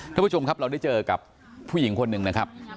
ทุกผู้ชมครับเราได้เจอกับผู้หญิงคนหนึ่งนะครับ